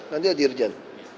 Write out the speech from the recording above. nanti ya dirjen